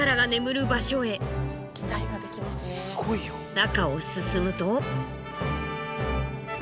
中を進むと。